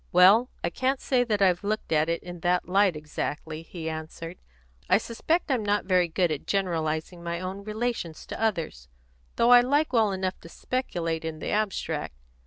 "Well, I can't say that I've looked at it in that light exactly," he answered. "I suspect I'm not very good at generalising my own relations to others, though I like well enough to speculate in the abstract.